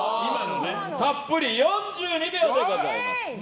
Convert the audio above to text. たっぷり４２秒でございます。